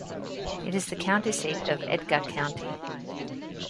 It is the county seat of Edgar County.